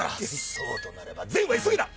そうとなれば善は急げだ。